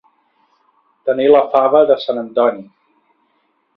Tenir la fava de sant Antoni.